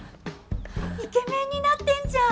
イケメンになってんじゃん！